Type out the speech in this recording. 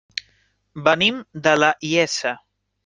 Venim de la Iessa.